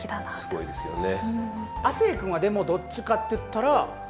すごいですね。